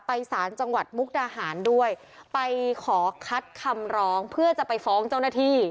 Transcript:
สารจังหวัดมุกดาหารด้วยไปขอคัดคำร้องเพื่อจะไปฟ้องเจ้าหน้าที่